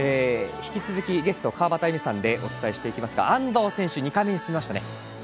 引き続きゲストは川端絵美さんでお伝えしていきますが安藤選手は２回目に進みました。